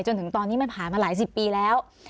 จนถึงตอนนี้มันผ่านมาหลายสิบปีแล้ว